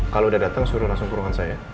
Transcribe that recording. kalau udah datang suruh langsung ke ruangan saya